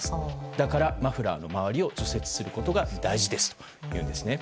だからマフラーの周りを除雪することが大事ですというんです。